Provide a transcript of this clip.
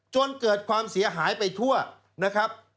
จนเกิดความเสียหายไปทั่วนะครับ